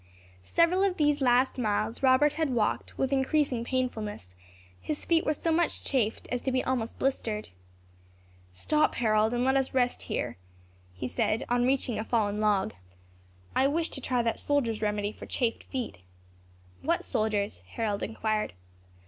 Several of these last miles Robert had walked with increasing painfulness; his feet were so much chafed as to be almost blistered. "Stop, Harold, and let us rest here," he said, on reaching a fallen log. "I wish to try that soldier's remedy for chafed feet." "What soldier's?" Harold inquired.